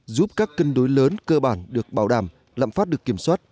giúp các cân đối lớn cơ bản được bảo đảm lạm phát được kiểm soát